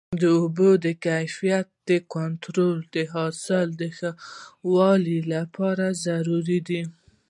د اوبو د کیفیت کنټرول د حاصل د ښه والي لپاره ضروري دی.